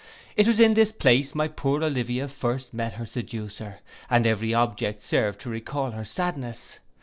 It was in this place my poor Olivia first met her seducer, and every object served to recall her sadness.